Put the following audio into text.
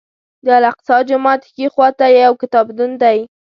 د الاقصی جومات ښي خوا ته یو کتابتون دی.